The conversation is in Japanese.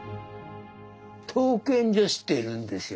刀剣女子っているんですよ。